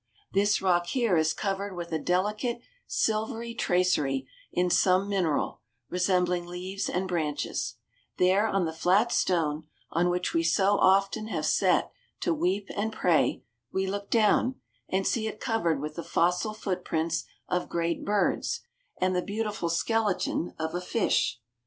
This rock here is covered with a delicate silvery tracery in some mineral, resembling leaves and branches; there on the flat stone, on which we so often have sat to weep and pray, we look down, and see it covered with the fossil footprints of great birds, and the beautiful skeleton of a fish.